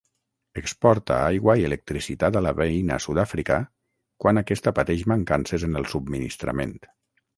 Exporta aigua i electricitat a la veïna Sud-àfrica quan aquesta pateix mancances en el subministrament.